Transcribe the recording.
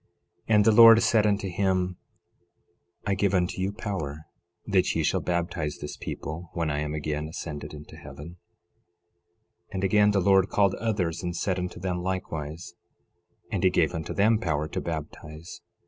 11:21 And the Lord said unto him: I give unto you power that ye shall baptize this people when I am again ascended into heaven. 11:22 And again the Lord called others, and said unto them likewise; and he gave unto them power to baptize.